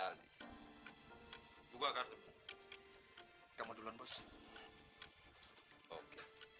hai juga kartu kamu duluan bos oke